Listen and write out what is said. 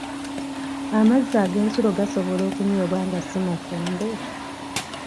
Amazzi ag'ensulo gasobola okunywebwa nga si mafumbe?